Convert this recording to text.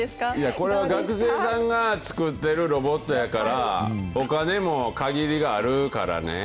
これは学生さんが作ってるロボットやから、お金も限りがあるからね。